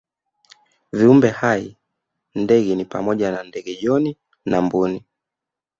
Viumbe hai ndege ni pamoja na ndege John na Mbuni